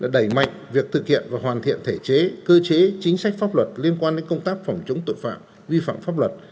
đẩy mạnh việc thực hiện và hoàn thiện thể chế cơ chế chính sách pháp luật liên quan đến công tác phòng chống tội phạm vi phạm pháp luật